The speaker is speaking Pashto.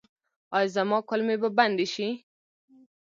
ایا زما کولمې به بندې شي؟